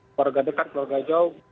keluarga dekat keluarga jauh